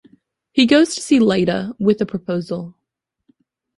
He goes to see Lyta with a proposal.